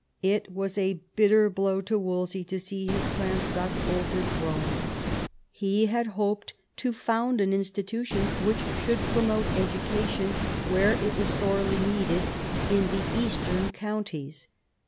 It was a bitter blow to Wolsey to see his plans thus overthrown. He had hoped to found an institution which should promote education where it was sorely needed in the eastern counties.